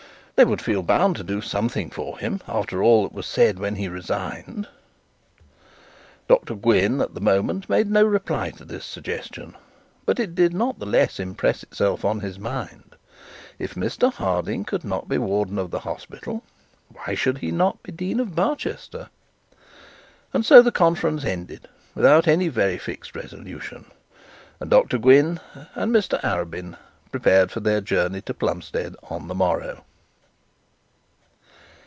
They would feel bound to do something for him after all that was said when he resigned.' Dr Gwynne at the moment made no reply to this suggestion; but it did not the less impress itself on his mind. If Mr Harding could not be warden of the hospital, why should he not be Dean of Barchester? And so the conference ended without any very fixed resolution, and Dr Gwynne and Mr Arabin prepared for their journey to Plumstead on the morrow.